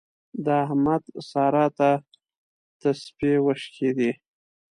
د احمد سارا ته تسپې وشکېدې.